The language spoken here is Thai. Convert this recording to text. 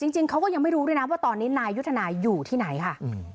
จริงเขาก็ยังไม่รู้ด้วยนะว่าตอนนี้นายยุทธนาอยู่ที่ไหนค่ะ